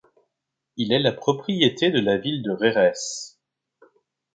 Il est la propriété de la ville de Jerez.